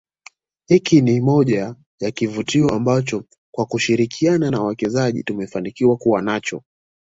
Hiki ni moja ya kivutio ambacho kwa kushirikiana na mwekezaji tumefanikiwa kuwa nacho